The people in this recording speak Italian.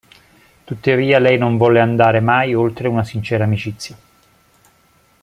Tuttavia lei non volle andare mai oltre una sincera amicizia.